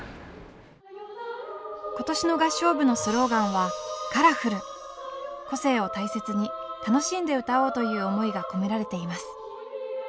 今年の合唱部のスローガンは個性を大切に楽しんで歌おうという思いが込められています。